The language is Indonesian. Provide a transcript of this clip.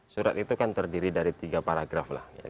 surat itu kan terdiri dari tiga paragraf lah